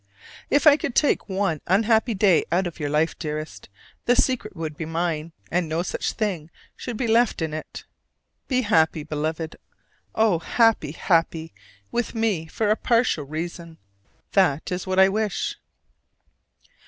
If I could take one unhappy day out of your life, dearest, the secret would be mine, and no such thing should be left in it. Be happy, beloved! oh, happy, happy, with me for a partial reason that is what I wish!